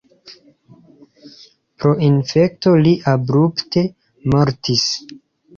Pro infekto li abrupte mortis.